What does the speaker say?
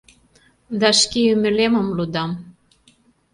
Да шке ӱмылемым лудам